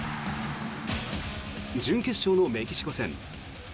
準決勝のメキシコ戦。